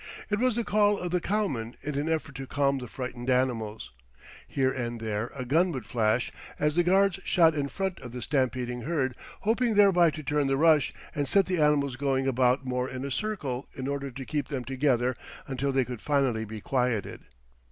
It was the call of the cowman, in an effort to calm the frightened animals. Here and there a gun would flash as the guards shot in front of the stampeding herd, hoping thereby to turn the rush and set the animals going about more in a circle in order to keep them together until they could finally be quieted.